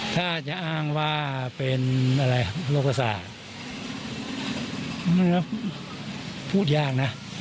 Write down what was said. ถ้าจะอ้างว่าเป็นอะไรโรคประสาทมันก็พูดยากนะ